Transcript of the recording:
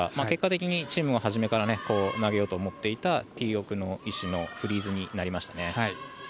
結果的にチームは初めから投げようと思っていたティー奥の石のフリーズになりましたね。